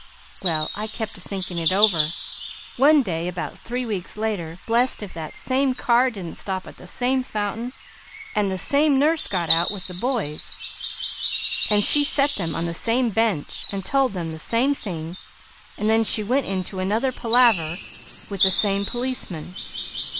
"Well I kept a thinking it over. One day about three weeks later, blest if the same car didn't stop at the same fountain, and the same nurse got out with the boys and she set them on the same bench and told them the same thing, and then she went into another palaver with the same p'liceman.